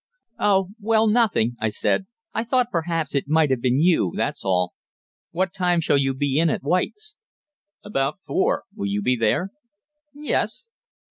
"Oh well, nothing," I said. "I thought perhaps it might have been you that's all. What time shall you be in at White's?" "About four. Will you be there?" "Yes."